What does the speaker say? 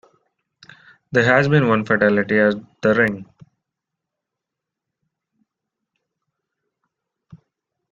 There has been one fatality at the ring.